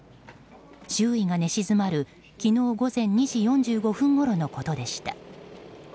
周囲が寝静まる昨日午前２時４５分ごろのことでした。